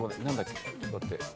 何だっけ？